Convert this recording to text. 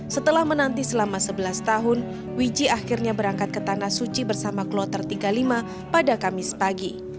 setelah menanti selama sebelas tahun wiji akhirnya berangkat ke tanah suci bersama kloter tiga puluh lima pada kamis pagi